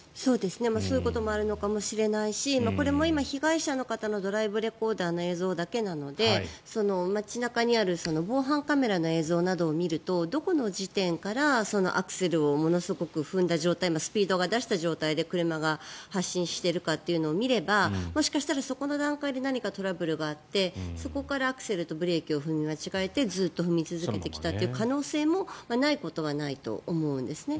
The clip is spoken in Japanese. そういうこともあるのかもしれないしこれも今、被害者の方のドライブレコーダーの映像だけなので街中にある防犯カメラの映像などを見るとどこの時点からアクセルをものすごく踏んだ状態スピードを出した状態で車が発進してるのかを見ればもしかしたら、そこの段階で何かトラブルがあってそこからアクセルとブレーキを踏み間違えてずっと踏み続けてきたという可能性もないことはないと思うんですね。